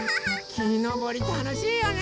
きのぼりたのしいよね！